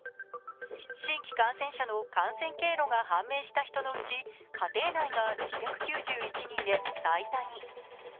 新規感染者の感染経路が判明した人のうち家庭内が６９１人で最多に。